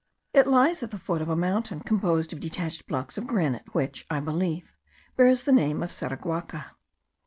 It lies at the foot of a mountain composed of detached blocks of granite, which, I believe, bears the name of Saraguaca.